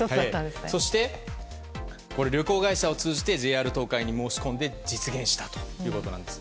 そして、旅行会社を通じてＪＲ東海に申し込んで実現したということなんです。